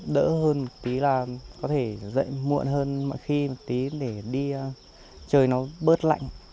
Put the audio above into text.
đỡ hơn một tí là có thể dạy muộn hơn mọi khi một tí để đi chơi nó bớt lạnh